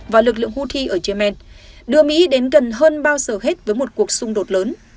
và lực lượng houthi ở yemen đưa mỹ đến gần hơn bao giờ hết với một cuộc xung đột lớn